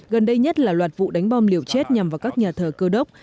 gần đây nhất là loạt vụ đánh bom liều chết nhằm vào các nhà thờ cơ độc